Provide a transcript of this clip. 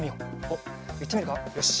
おっいってみるかよし。